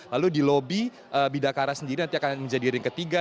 lalu di lobi bidakara sendiri nanti akan menjadi ring ketiga